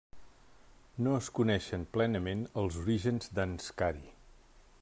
No es coneixen plenament els orígens d'Anscari.